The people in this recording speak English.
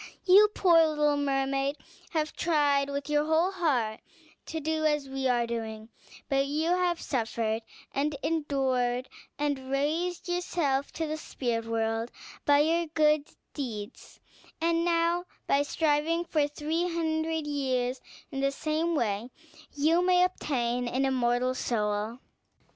You, poor little mermaid, have tried with your whole heart to do as we are doing; you have suffered and endured and raised yourself to the spirit world by your good deeds; and now, by striving for three hundred years in the same way, you may obtain an immortal soul."